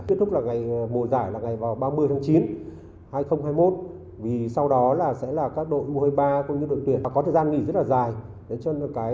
tiết thúc mùa giải là ngày ba mươi tháng chín hai nghìn hai mươi một vì sau đó sẽ là các đội u hai mươi ba cũng như đội tuyển có thời gian nghỉ rất là dài